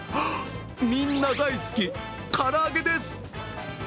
みんな大好き、から揚げです。